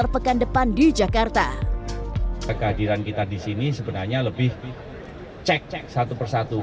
pt pln lebih cek satu persatu